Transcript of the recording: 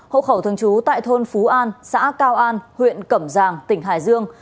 hộ khẩu thường trú tại thôn phú an xã cao an huyện cẩm giàng tỉnh hải dương